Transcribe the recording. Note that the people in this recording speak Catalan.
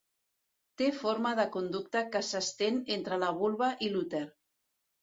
Té forma de conducte que s'estén entre la vulva i l'úter.